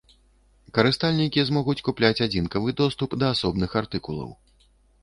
Карыстальнікі змогуць купляць адзінкавы доступ да асобных артыкулаў.